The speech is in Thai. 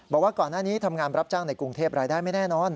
บอกว่าก่อนหน้านี้ทำงานรับจ้างในกรุงเทพรายได้ไม่แน่นอน